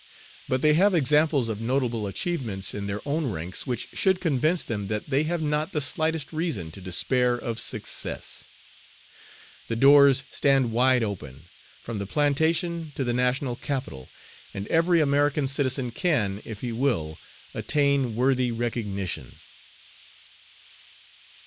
But they have examples of notable achievements in their own ranks which should convince them that they have not the slightest reason to despair of success. The doors stand wide open, from the plantation to the National Capitol, and every American citizen can, if he will, attain worthy recognition."